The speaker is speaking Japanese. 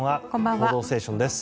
「報道ステーション」です。